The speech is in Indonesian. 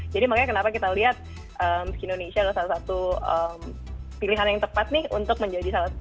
jadi makanya kenapa kita lihat skinny indonesia adalah salah satu pilihan yang tepat nih untuk menjadi salah satu